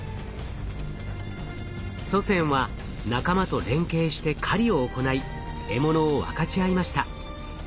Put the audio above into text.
祖先は仲間と連携して狩りを行い獲物を分かち合いました。